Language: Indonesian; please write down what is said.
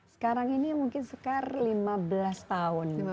sekarang ini mungkin sekarang lima belas tahun